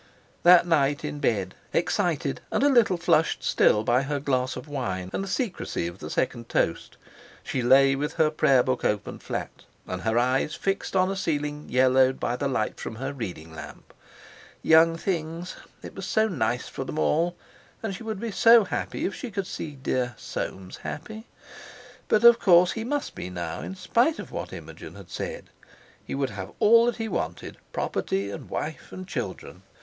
That night in bed, excited and a little flushed still by her glass of wine and the secrecy of the second toast, she lay with her prayer book opened flat, and her eyes fixed on a ceiling yellowed by the light from her reading lamp. Young things! It was so nice for them all! And she would be so happy if she could see dear Soames happy. But, of course, he must be now, in spite of what Imogen had said. He would have all that he wanted: property, and wife, and children!